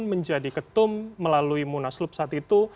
menjadi ketum melalui munaslup saat itu